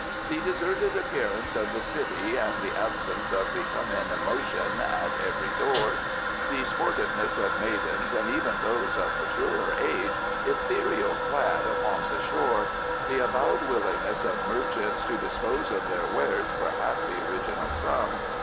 The deserted appearance of the city and the absence of the come in motion at every door; The sportiveness of maidens, and even those of maturer age, ethereally clad, upon the shore. The avowed willingness of merchants to dispose of their wares for half the original sum.